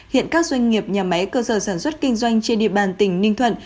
hiện các doanh nghiệp nhà máy cơ sở sản xuất kinh doanh trên địa bàn tỉnh ninh thuận